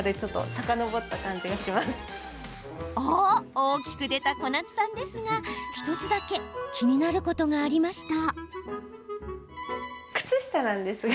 大きく出た小夏さんですが１つだけ気になることがありました。